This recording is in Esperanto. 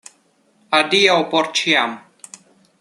Adiaŭ por ĉiam.